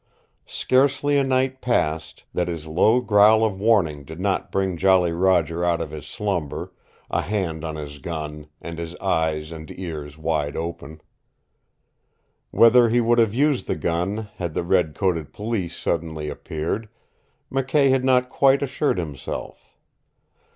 Scarcely a night passed that his low growl of warning did not bring Jolly Roger out of his slumber, a hand on his gun, and his eyes and ears wide open. Whether he would have used the gun had the red coated police suddenly appeared, McKay had not quite assured himself.